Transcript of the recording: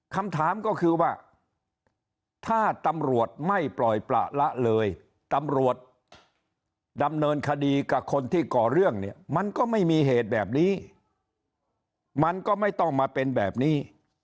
คำถามก็คือว่าถ้าตำรวจไม่ปล่อยประละเลยตำรวจดำเนินคดีกับคนที่ก่อเรื่องเนี่ยมันก็ไม่มีเหตุแบบนี้มันก็ไม่ต้องมาเป็นแบบนี้